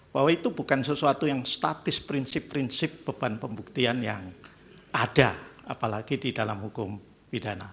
bahwa itu bukan sesuatu yang statis prinsip prinsip beban pembuktian yang ada apalagi di dalam hukum pidana